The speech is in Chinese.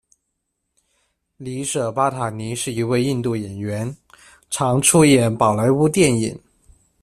里舍·巴塔尼是一位印度演员，常出演宝莱坞电影。